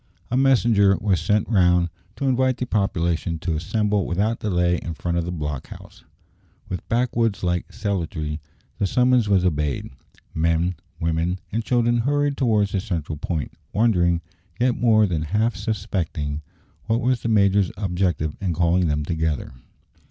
A messenger was sent round to invite the population to assemble without delay in front of the block house. With backwoods like celerity the summons was obeyed; men, women, and children hurried towards the central point, wondering, yet more than half suspecting, what was the major's object in calling them together.